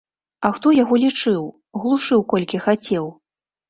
А хто яго лічыў, глушыў колькі хацеў.